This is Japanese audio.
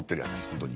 本当に。